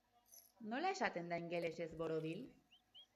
Nola esaten da ingelesez "borobil"?